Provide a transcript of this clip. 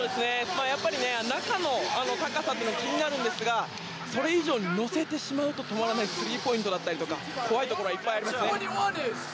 やはり中の高さは気になるんですが、それ以上に乗せてしまうと止まらないスリーポイントだったりとか怖いところはいっぱいありますね。